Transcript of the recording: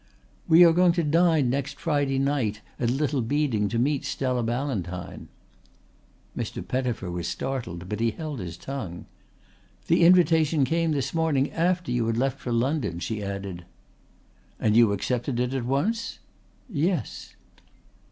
"We are going to dine next Friday night at Little Beeding to meet Stella Ballantyne." Mr. Pettifer was startled but he held his tongue. "The invitation came this morning after you had left for London," she added. "And you accepted it at once?" "Yes."